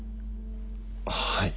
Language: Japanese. はい。